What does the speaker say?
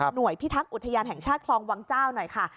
พิทักษ์อุทยานแห่งชาติคลองวังเจ้าหน่อยค่ะ